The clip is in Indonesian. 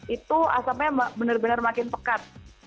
itu asapnya benar benar makin pekat